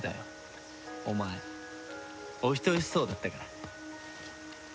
お前お人よしそうだったから。